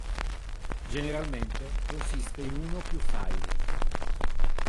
Generalmente consiste in uno o più files.